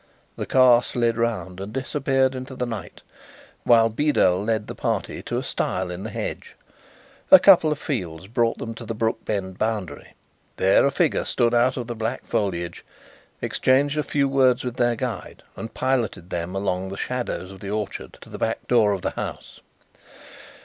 The car slid round and disappeared into the night, while Beedel led the party to a stile in the hedge. A couple of fields brought them to the Brookbend boundary. There a figure stood out of the black foliage, exchanged a few words with their guide and piloted them along the shadows of the orchard to the back door of the house.